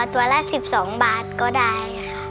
เพลงเก่งของคุณครับ